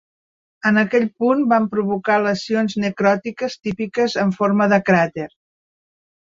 En aquell punt, van provocar lesions necròtiques típiques en forma de cràter.